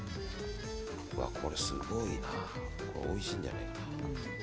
これ、すごいな。おいしいんじゃないかな。